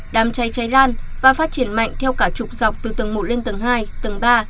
đám cháy cháy lan và phát triển mạnh theo cả chục dọc từ tầng một lên tầng hai tầng ba